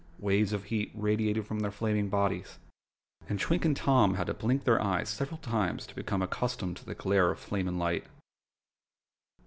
Waves of heat radiated from their flaming bodies, and Twink and Tom had to blink their eyes several times to become accustomed to the glare of flame and light.